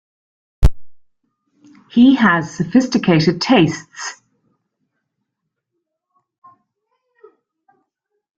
He has sophisticated tastes.